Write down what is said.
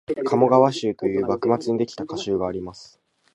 「鴨川集」という幕末にできた歌集があります